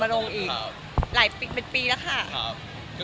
มึงกันเริ่มมานานแล้วคนถามค่ะ